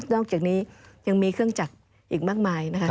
อกจากนี้ยังมีเครื่องจักรอีกมากมายนะคะ